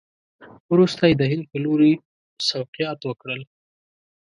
وروسته یې د هند په لوري سوقیات وکړل.